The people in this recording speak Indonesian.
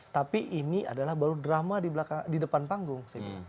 tapi ini adalah baru drama di depan panggung